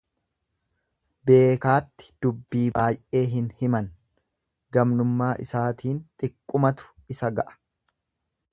Beekaatti dubbii baay'ee hin himan gamnummaa isaatiin xiqqumatu isa ga'a.